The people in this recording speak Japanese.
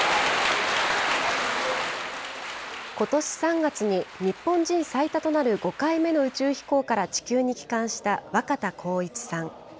ことし３月に日本人最多となる５回目の宇宙飛行から地球に帰還した若田光一さん。